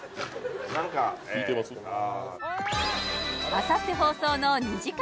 何かあさって放送の２時間